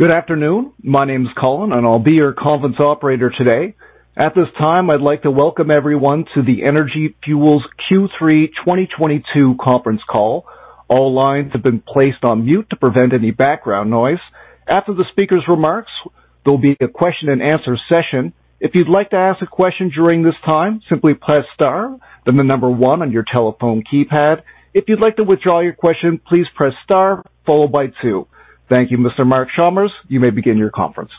Good afternoon. My name is Colin, and I'll be your conference operator today. At this time, I'd like to welcome everyone to the Energy Fuels Q3 2022 conference call. All lines have been placed on mute to prevent any background noise. After the speaker's remarks, there'll be a question and answer session. If you'd like to ask a question during this time, simply press star, then the number one on your telephone keypad. If you'd like to withdraw your question, please press star followed by two. Thank you. Mr. Mark Chalmers, you may begin your conference.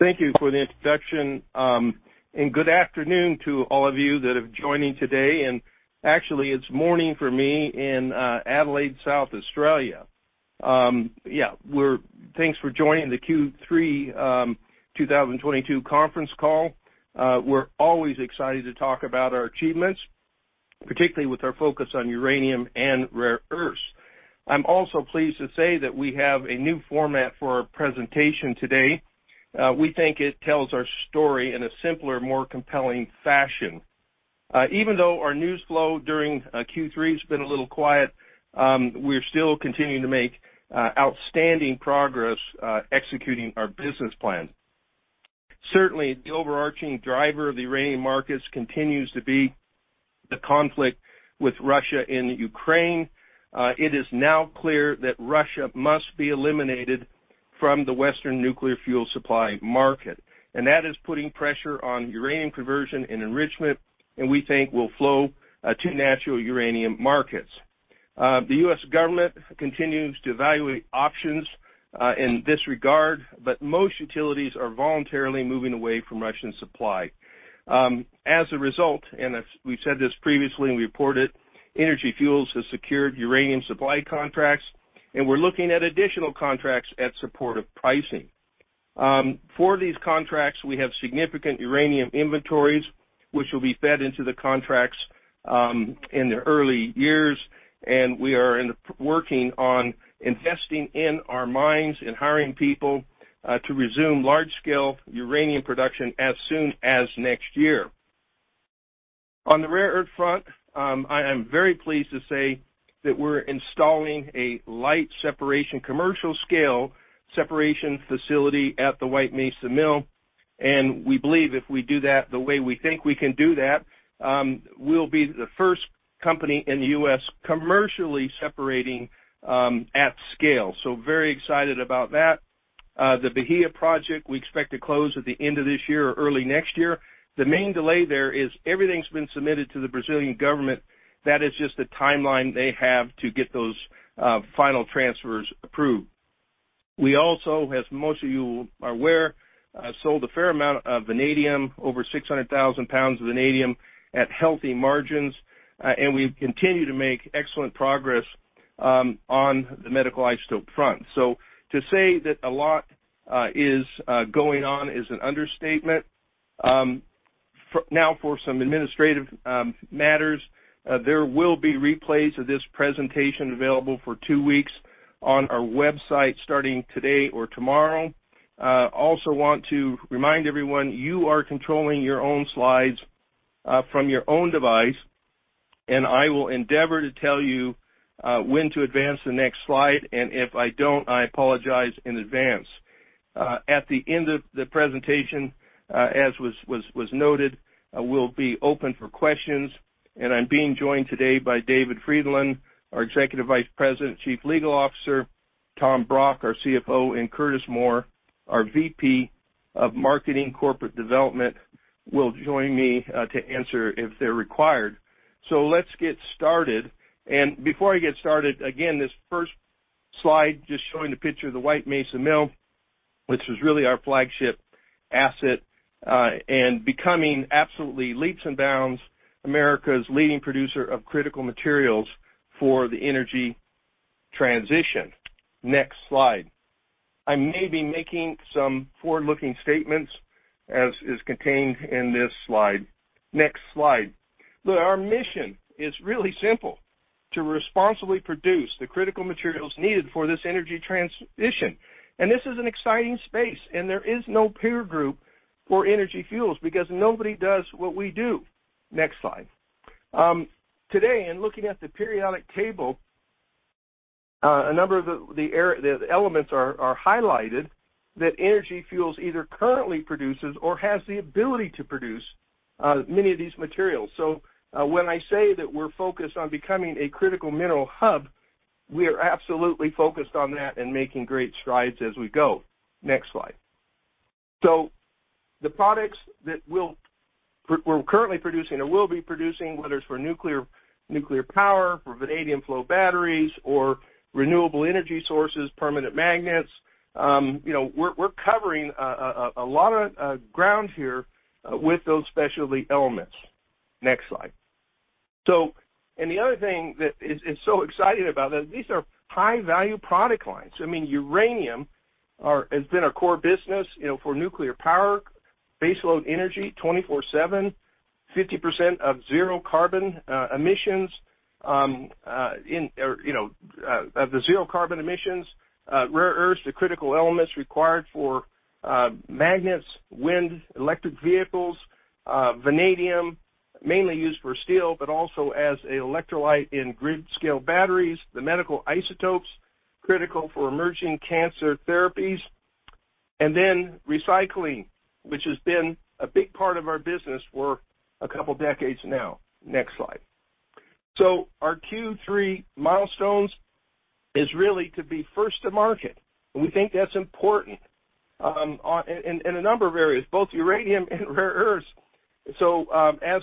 Thank you for the introduction, and good afternoon to all of you that are joining today. Actually, it's morning for me in Adelaide, South Australia. Thanks for joining the Q3 2022 conference call. We're always excited to talk about our achievements, particularly with our focus on uranium and rare earths. I'm also pleased to say that we have a new format for our presentation today. We think it tells our story in a simpler, more compelling fashion. Even though our news flow during Q3 has been a little quiet, we're still continuing to make outstanding progress executing our business plan. Certainly, the overarching driver of the uranium markets continues to be the conflict with Russia in Ukraine. It is now clear that Russia must be eliminated from the Western nuclear fuel supply market, and that is putting pressure on uranium conversion and enrichment, and we think will flow to natural uranium markets. The U.S. government continues to evaluate options in this regard, but most utilities are voluntarily moving away from Russian supply. As a result, and as we've said this previously, and we reported, Energy Fuels has secured uranium supply contracts, and we're looking at additional contracts at supportive pricing. For these contracts, we have significant uranium inventories, which will be fed into the contracts in the early years. We are working on investing in our mines and hiring people to resume large scale uranium production as soon as next year. On the rare earth front, I am very pleased to say that we're installing a light rare earth separation commercial-scale separation facility at the White Mesa Mill. We believe if we do that the way we think we can do that, we'll be the first company in the U.S. commercially separating at scale. Very excited about that. The Bahia Project we expect to close at the end of this year or early next year. The main delay there is everything's been submitted to the Brazilian government. That is just the timeline they have to get those final transfers approved. We also, as most of you are aware, sold a fair amount of vanadium, over 600,000 pounds of vanadium at healthy margins. We continue to make excellent progress on the medical isotope front. To say that a lot is going on is an understatement. Now for some administrative matters, there will be replays of this presentation available for two weeks on our website starting today or tomorrow. Also want to remind everyone, you are controlling your own slides from your own device, and I will endeavor to tell you when to advance the next slide. If I don't, I apologize in advance. At the end of the presentation, as was noted, we'll be open for questions. I'm being joined today by David Frydenlund, our Executive Vice President, Chief Legal Officer, Tom Brock, our CFO, and Curtis Moore, our VP of Marketing & Corporate Development, will join me to answer if they're required. Let's get started. Before I get started, again, this first slide just showing the picture of the White Mesa Mill, which is really our flagship asset, and becoming absolutely leaps and bounds America's leading producer of critical materials for the energy transition. Next slide. I may be making some forward-looking statements as is contained in this slide. Next slide. Our mission is really simple, to responsibly produce the critical materials needed for this energy transition. This is an exciting space, and there is no peer group for Energy Fuels because nobody does what we do. Next slide. Today and looking at the periodic table, a number of the elements are highlighted that Energy Fuels either currently produces or has the ability to produce many of these materials. When I say that we're focused on becoming a critical mineral hub, we are absolutely focused on that and making great strides as we go. Next slide. The products that we're currently producing or will be producing, whether it's for nuclear power, for vanadium flow batteries or renewable energy sources, permanent magnets, you know, we're covering a lot of ground here with those specialty elements. Next slide. The other thing that is so exciting about that, these are high value product lines. I mean, uranium has been our core business, you know, for nuclear power, baseload energy, 24/7, 50% of zero carbon emissions, you know, the zero carbon emissions, rare earths, the critical elements required for magnets, wind, electric vehicles, vanadium. Mainly used for steel, but also as an electrolyte in grid-scale batteries, the medical isotopes critical for emerging cancer therapies, and then recycling, which has been a big part of our business for a couple decades now. Next slide. Our Q3 milestones is really to be first to market. We think that's important in a number of areas, both uranium and rare earths. As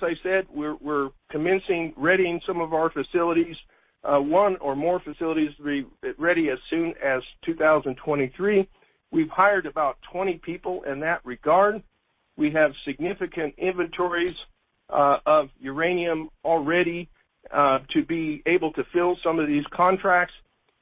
I said, we're commencing readying some of our facilities, one or more facilities to be ready as soon as 2023. We've hired about 20 people in that regard. We have significant inventories of uranium already to be able to fill some of these contracts.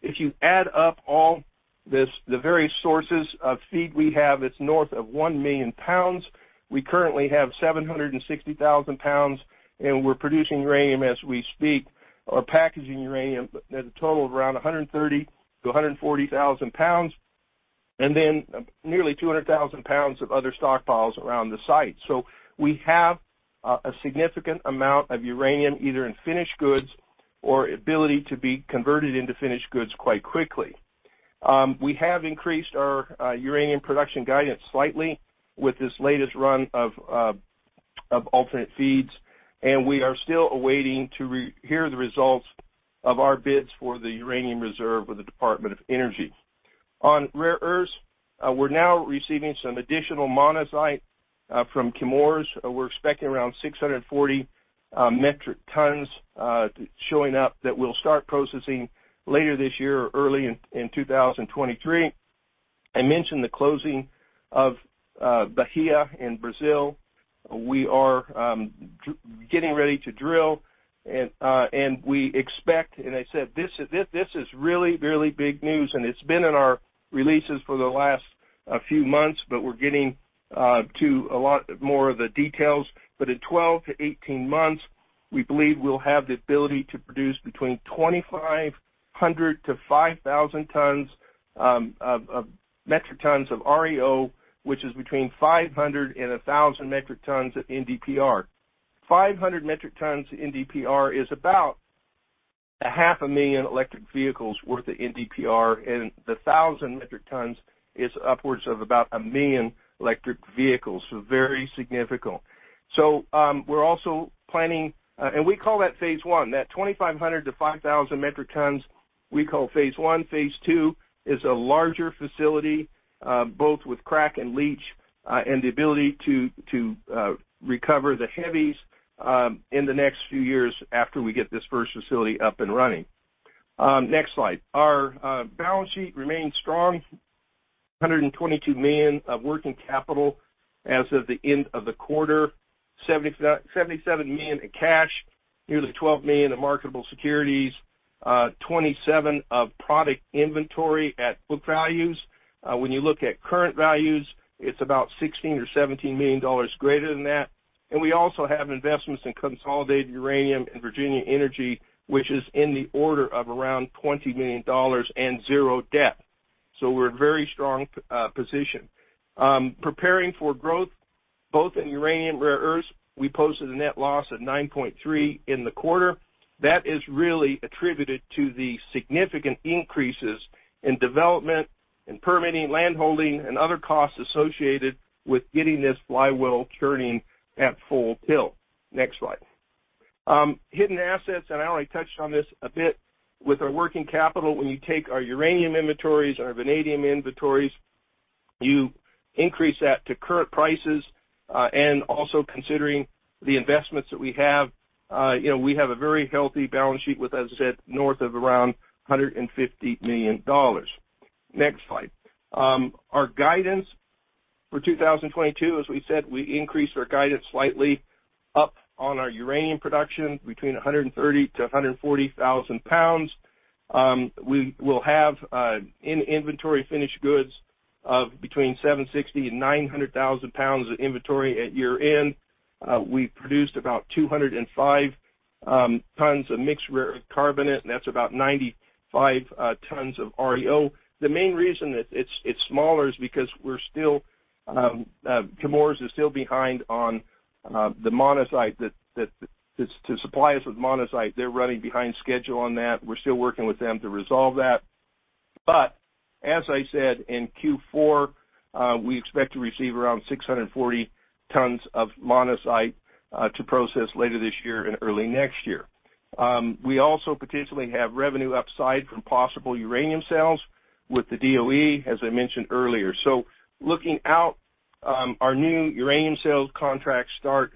If you add up all this, the various sources of feed we have, it's north of one million pounds. We currently have 760,000 lbs, and we're producing uranium as we speak, or packaging uranium at a total of around 130,000-140,000 lbs, and then nearly 200,000 lbs of other stockpiles around the site. We have a significant amount of uranium, either in finished goods or ability to be converted into finished goods quite quickly. We have increased our uranium production guidance slightly with this latest run of alternate feeds, and we are still awaiting to hear the results of our bids for the uranium reserve with the Department of Energy. On rare earths, we're now receiving some additional monazite from Chemours. We're expecting around 640 metric tons showing up that we'll start processing later this year or early in 2023. I mentioned the closing of Bahia in Brazil. We are getting ready to drill and we expect, and I said, this is really big news, and it's been in our releases for the last few months, but we're getting to a lot more of the details. In 12-18 months, we believe we'll have the ability to produce between 2,500-5,000 metric tons of REO, which is between 500 and 1,000 metric tons of NdPr. 500 metric tons of NdPr is about 500,000 electric vehicles worth of NdPr, and the 1,000 metric tons is upwards of about one million electric vehicles, so very significant. We're also planning and we call that phase II. That 2,500-5,000 metric tons, we call phase II. Phase II is a larger facility, both with crack and leach and the ability to recover the heavies in the next few years after we get this first facility up and running. Next slide. Our balance sheet remains strong. $122 million of working capital as of the end of the quarter. $77 million in cash, nearly $12 million in marketable securities, $27 million of product inventory at book values. When you look at current values, it's about $16 million or $17 million greater than that. We also have investments in Consolidated Uranium and Virginia Energy, which is in the order of around $20 million and zero debt. We're in a very strong position. Preparing for growth both in uranium, rare earths. We posted a net loss of $9.3 million in the quarter. That is really attributed to the significant increases in development, in permitting, landholding, and other costs associated with getting this flywheel churning at full tilt. Next slide. Hidden assets, and I only touched on this a bit with our working capital. When you take our uranium inventories, our vanadium inventories, you increase that to current prices, and also considering the investments that we have, you know, we have a very healthy balance sheet with, as I said, north of around $150 million. Next slide. Our guidance for 2022, as we said, we increased our guidance slightly up on our uranium production between 130,000-140,000 lbs. We will have, in inventory finished goods of between 760,000 and 900,000 lbs of inventory at year-end. We produced about 205 tons of mixed rare earth carbonate, and that's about 95 tons of REO. The main reason it's smaller is because we're still Chemours is still behind on the monazite to supply us with monazite. They're running behind schedule on that. We're still working with them to resolve that. As I said, in Q4 we expect to receive around 640 tons of monazite to process later this year and early next year. We also potentially have revenue upside from possible uranium sales with the DOE, as I mentioned earlier. Looking out, our new uranium sales contracts start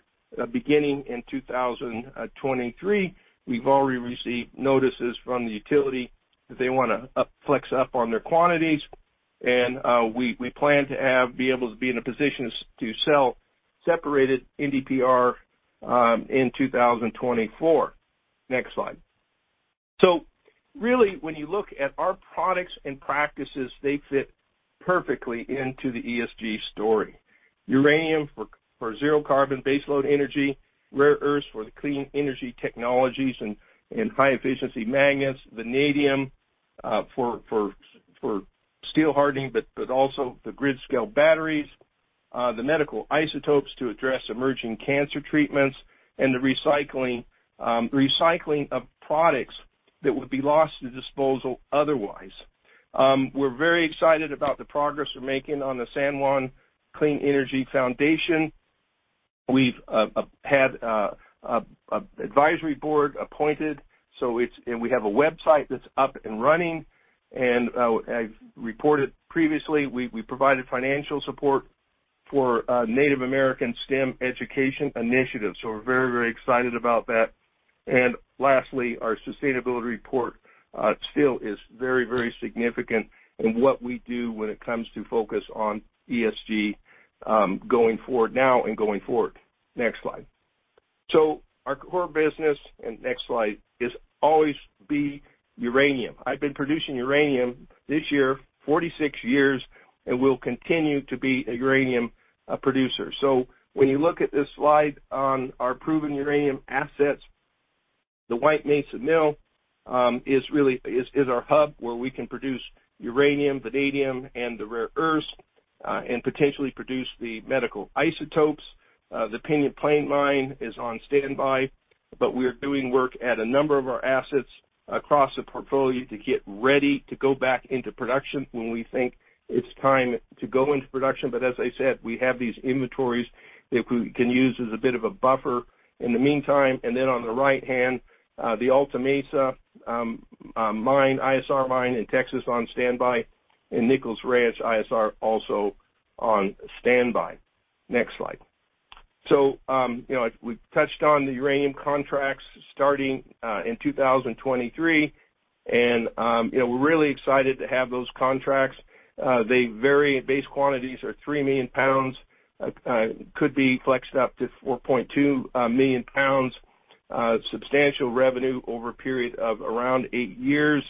beginning in 2023. We've already received notices from the utility that they wanna flex up on their quantities. We plan to be able to be in a position to sell separated NdPr in 2024. Next slide. Really, when you look at our products and practices, they fit perfectly into the ESG story. Uranium for zero carbon baseload energy, rare earths for the clean energy technologies and high efficiency magnets, vanadium for steel hardening, but also the grid-scale batteries, the medical isotopes to address emerging cancer treatments and the recycling of products that would be lost to disposal otherwise. We're very excited about the progress we're making on the San Juan County Clean Energy Foundation. We've had an advisory board appointed, so it's and we have a website that's up and running. I've reported previously, we provided financial support for a Native American STEM education initiative. We're very excited about that. Lastly, our sustainability report still is very, very significant in what we do when it comes to focus on ESG, going forward now and going forward. Next slide. Our core business, and next slide, is always be uranium. I've been producing uranium for 46 years and will continue to be a uranium producer. When you look at this slide on our proven uranium assets, the White Mesa Mill is our hub where we can produce uranium, vanadium, and the rare earths, and potentially produce the medical isotopes. The Pinyon Plain Mine is on standby, but we are doing work at a number of our assets across the portfolio to get ready to go back into production when we think it's time to go into production. As I said, we have these inventories that we can use as a bit of a buffer in the meantime. On the right hand, the Alta Mesa mine, ISR mine in Texas on standby, and Nichols Ranch ISR also on standby. Next slide. You know, we touched on the uranium contracts starting in 2023, and, you know, we're really excited to have those contracts. They vary. Base quantities are three million pounds, could be flexed up to 4.2 million lbs. Substantial revenue over a period of around eight years.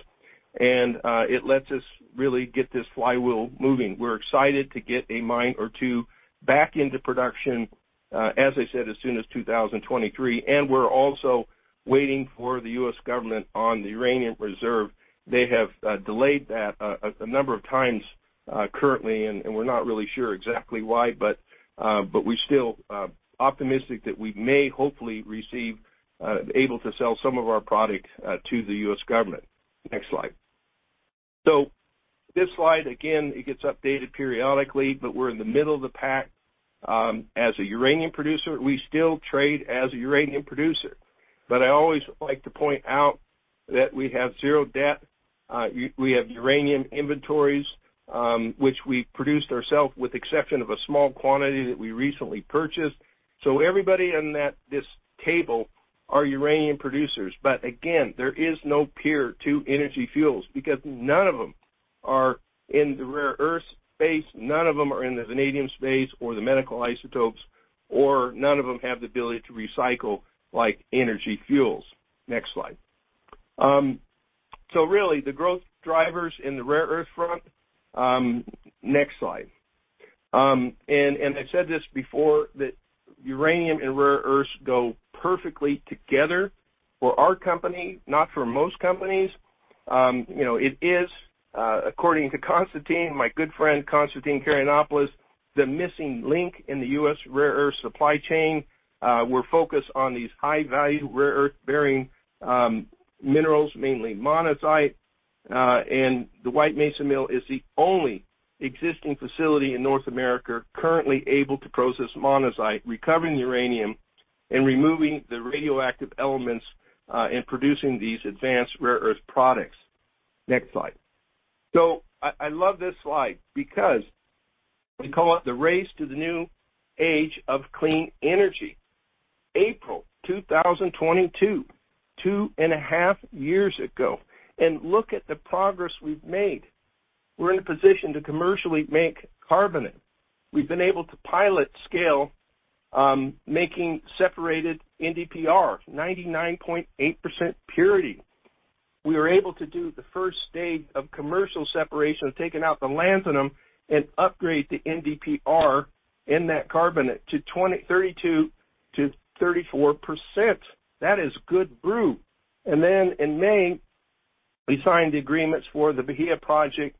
It lets us really get this flywheel moving. We're excited to get a mine or two back into production, as I said, as soon as 2023. We're also waiting for the U.S. government on the uranium reserve. They have delayed that a number of times currently, and we're not really sure exactly why, but we're still optimistic that we may hopefully be able to sell some of our product to the U.S. government. Next slide. This slide, again, it gets updated periodically, but we're in the middle of the pack. As a uranium producer, we still trade as a uranium producer. I always like to point out that we have zero debt. We have uranium inventories, which we produced ourselves with exception of a small quantity that we recently purchased. Everybody in that this table are uranium producers. Again, there is no peer to Energy Fuels because none of them are in the rare earth space, none of them are in the vanadium space or the medical isotopes, or none of them have the ability to recycle like Energy Fuels. Next slide. Really the growth drivers in the rare earth front, next slide. I said this before that uranium and rare earths go perfectly together for our company, not for most companies. You know, it is, according to Constantine, my good friend Constantine Karayannopoulos, the missing link in the U.S. rare earth supply chain. We're focused on these high-value rare earth-bearing minerals, mainly monazite. The White Mesa Mill is the only existing facility in North America currently able to process monazite, recovering uranium and removing the radioactive elements, and producing these advanced rare earth products. Next slide. I love this slide because we call it the race to the new age of clean energy. April 2022, two and a half years ago. Look at the progress we've made. We're in a position to commercially make carbonate. We've been able to pilot scale making separated NdPr, 99.8% purity. We were able to do the first stage of commercial separation of taking out the lanthanum and upgrade the NdPr in that carbonate to 32%-34%. That is good brew. In May, we signed agreements for the Bahia Project,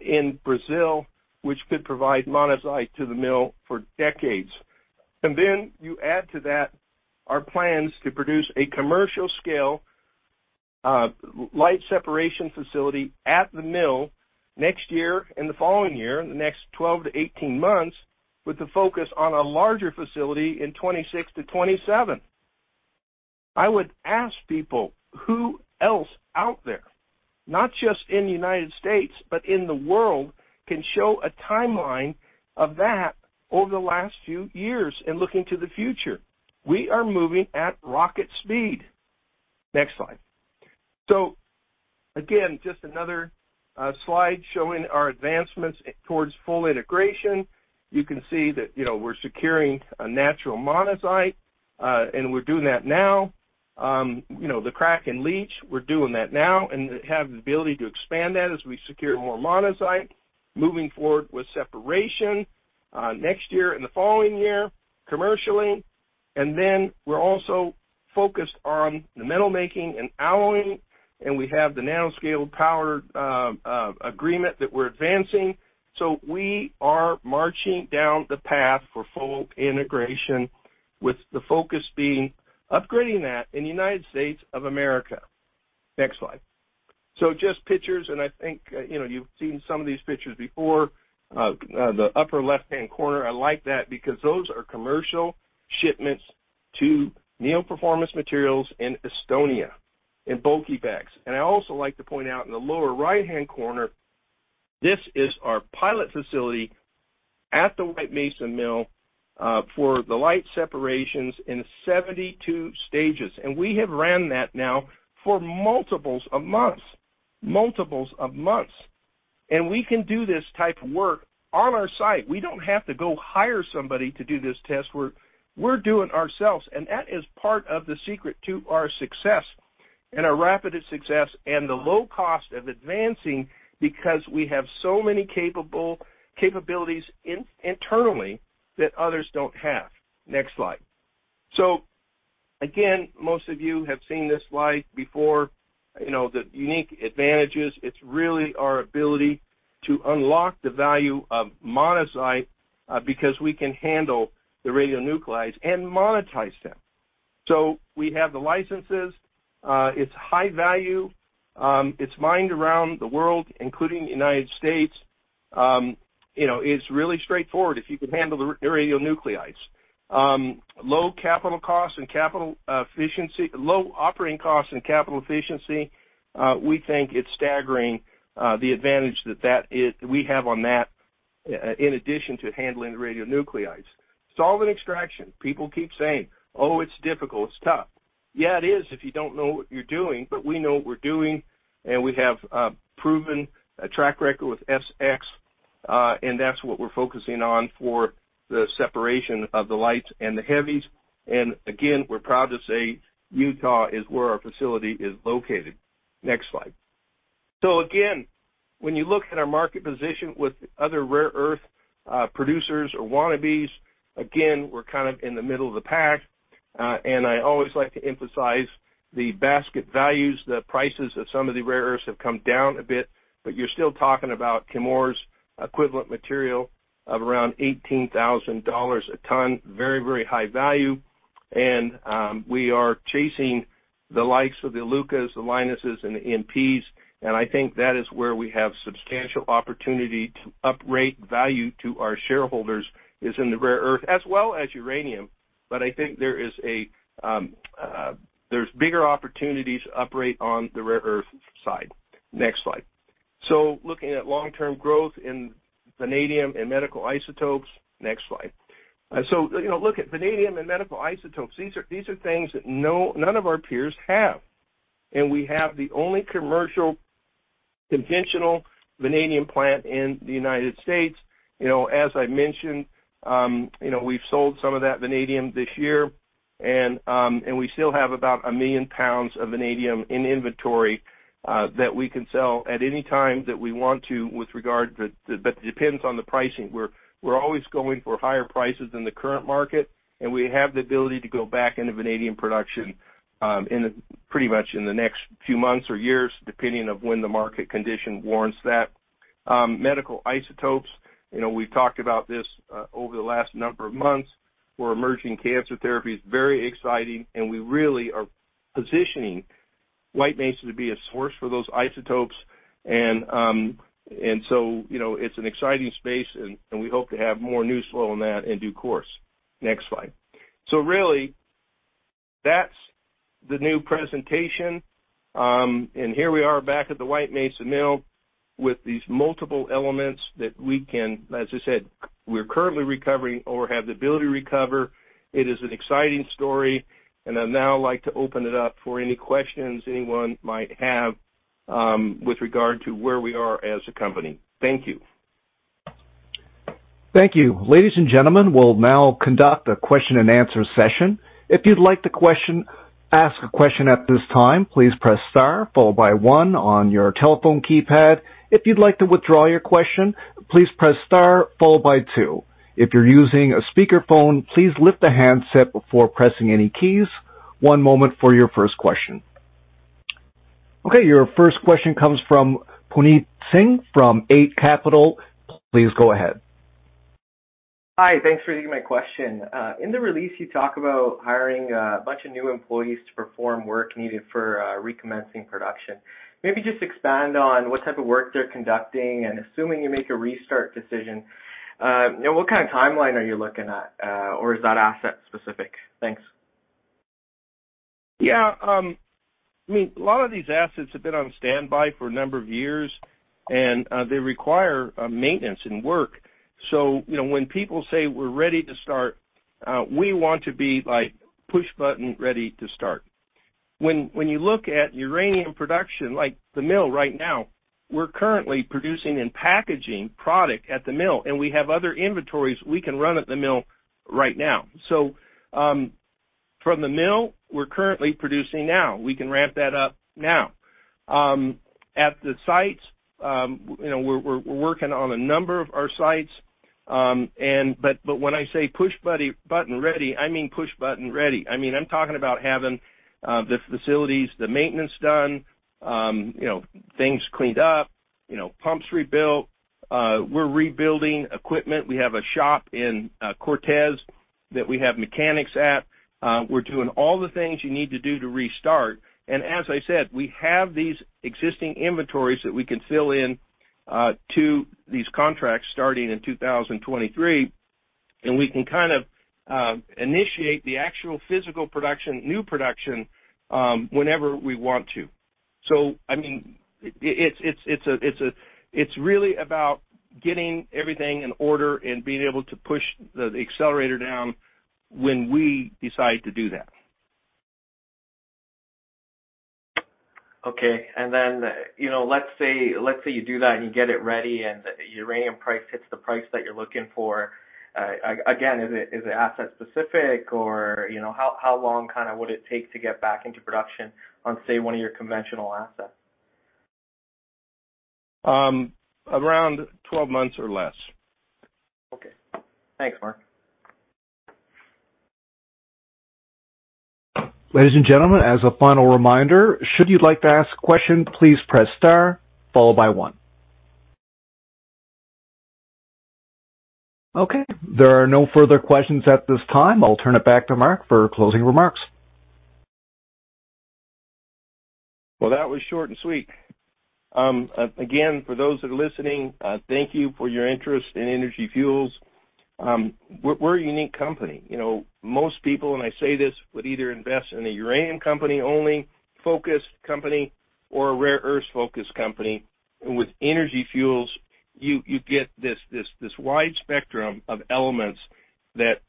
in Brazil, which could provide monazite to the mill for decades. You add to that our plans to produce a commercial scale, light separation facility at the mill next year and the following year, in the next 12-18 months, with the focus on a larger facility in 2026-2027. I would ask people who else out there, not just in the United States, but in the world, can show a timeline of that over the last few years and looking to the future. We are moving at rocket speed. Next slide. Again, just another, slide showing our advancements towards full integration. You can see that, you know, we're securing a natural monazite, and we're doing that now. You know, the crack and leach, we're doing that now and have the ability to expand that as we secure more monazite. Moving forward with separation, next year and the following year, commercially. We're also focused on the metal making and alloying, and we have the Nanoscale Powders agreement that we're advancing. We are marching down the path for full integration, with the focus being upgrading that in United States of America. Next slide. Just pictures, and I think, you know, you've seen some of these pictures before. The upper left-hand corner, I like that because those are commercial shipments to Neo Performance Materials in Estonia in bulky bags. I also like to point out in the lower right-hand corner, this is our pilot facility at the White Mesa mill, for the light separations in 72 stages. We have ran that now for multiples of months. We can do this type of work on our site. We don't have to go hire somebody to do this test. We're doing ourselves. That is part of the secret to our success and our rapid success and the low cost of advancing because we have so many capabilities internally that others don't have. Next slide. Again, most of you have seen this slide before. You know, the unique advantages, it's really our ability to unlock the value of monazite because we can handle the radionuclides and monetize them. We have the licenses. It's high value. It's mined around the world, including the United States. You know, it's really straightforward if you can handle the radionuclides. Low operating costs and capital efficiency, we think it's staggering, the advantage that we have on that in addition to handling the radionuclides. Solvent extraction. People keep saying, "Oh, it's difficult, it's tough." Yeah, it is if you don't know what you're doing. But we know what we're doing, and we have proven a track record with SX, and that's what we're focusing on for the separation of the lights and the heavies. Again, we're proud to say Utah is where our facility is located. Next slide. Again, when you look at our market position with other rare earth producers or wannabes, we're kind of in the middle of the pack. And I always like to emphasize the basket values. The prices of some of the rare earths have come down a bit, but you're still talking about Chemours equivalent material of around $18,000 a ton. Very, very high value. We are chasing the likes of the Lynas, the Lynases, and the MPs. I think that is where we have substantial opportunity to uprate value to our shareholders, is in the rare earth as well as uranium. I think there's bigger opportunities to uprate on the rare earth side. Next slide. Looking at long-term growth in vanadium and medical isotopes. Next slide. You know, look at vanadium and medical isotopes. These are things that none of our peers have. We have the only commercial conventional vanadium plant in the United States. You know, as I mentioned, you know, we've sold some of that vanadium this year, and we still have about one million pounds of vanadium in inventory that we can sell at any time that we want to with regard to. It depends on the pricing. We're always going for higher prices than the current market, and we have the ability to go back into vanadium production pretty much in the next few months or years, depending on when the market condition warrants that. Medical isotopes, you know, we've talked about this over the last number of months. For emerging cancer therapies, very exciting, and we really are positioning White Mesa to be a source for those isotopes. You know, it's an exciting space and we hope to have more news flow on that in due course. Next slide. really, that's the new presentation. here we are back at the White Mesa Mill with these multiple elements. As I said, we're currently recovering or have the ability to recover. It is an exciting story, and I'd now like to open it up for any questions anyone might have, with regard to where we are as a company. Thank you. Thank you. Ladies and gentlemen, we'll now conduct a question-and-answer session. If you'd like to ask a question at this time, please press star followed by one on your telephone keypad. If you'd like to withdraw your question, please press star followed by two. If you're using a speakerphone, please lift the handset before pressing any keys. One moment for your first question. Okay, your first question comes from Puneet Singh from Eight Capital. Please go ahead. Hi, thanks for taking my question. In the release, you talk about hiring a bunch of new employees to perform work needed for, recommencing production. Maybe just expand on what type of work they're conducting. Assuming you make a restart decision, what kind of timeline are you looking at? Or is that asset specific? Thanks. Yeah. I mean, a lot of these assets have been on standby for a number of years, and, they require, maintenance and work. You know, when people say we're ready to start, we want to be like push button ready to start. When you look at uranium production, like the mill right now, we're currently producing and packaging product at the mill, and we have other inventories we can run at the mill right now. From the mill, we're currently producing now. We can ramp that up now. At the sites, you know, we're working on a number of our sites. But when I say push button ready, I mean push button ready. I mean, I'm talking about having the facilities, the maintenance done, you know, things cleaned up, you know, pumps rebuilt. We're rebuilding equipment. We have a shop in Cortez that we have mechanics at. We're doing all the things you need to do to restart. As I said, we have these existing inventories that we can fill in to these contracts starting in 2023, and we can kind of initiate the actual physical production, new production, whenever we want to. I mean, it's really about getting everything in order and being able to push the accelerator down when we decide to do that. Okay. You know, let's say you do that and you get it ready and the uranium price hits the price that you're looking for, again, is it asset specific or, you know, how long kinda would it take to get back into production on, say, one of your conventional assets? Around 12 months or less. Okay. Thanks, Mark. Ladies and gentlemen, as a final reminder, should you like to ask question, please press star followed by one. Okay. There are no further questions at this time. I'll turn it back to Mark for closing remarks. Well, that was short and sweet. Again, for those that are listening, thank you for your interest in Energy Fuels. We're a unique company. You know, most people, and I say this, would either invest in a uranium company only focused company or a rare earth focused company. With Energy Fuels, you get this wide spectrum of elements that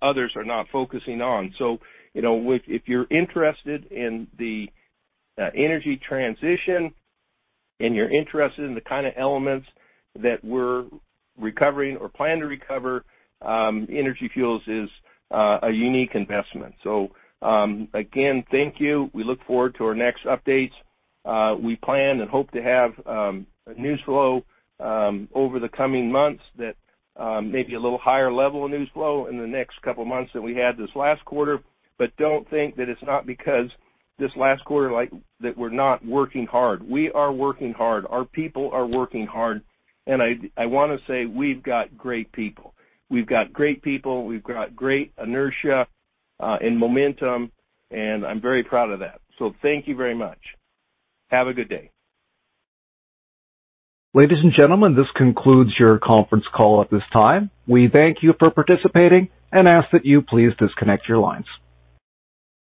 others are not focusing on. You know, if you're interested in the energy transition, and you're interested in the kind of elements that we're recovering or plan to recover, Energy Fuels is a unique investment. Again, thank you. We look forward to our next updates. We plan and hope to have a news flow over the coming months that may be a little higher level of news flow in the next couple of months than we had this last quarter. Don't think that it's not because this last quarter, like, that we're not working hard. We are working hard. Our people are working hard. I wanna say we've got great people. We've got great people. We've got great inertia and momentum, and I'm very proud of that. Thank you very much. Have a good day. Ladies and gentlemen, this concludes your conference call at this time. We thank you for participating and ask that you please disconnect your lines.